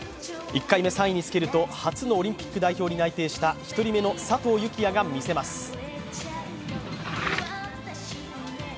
１回目、３位につけると初のオリンピック代表に内定した１人目の佐藤幸椰が見せます。